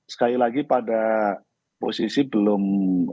sekali lagi pada posisi belum